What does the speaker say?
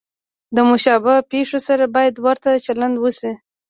له مشابه پېښو سره باید ورته چلند وشي.